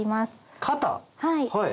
はい。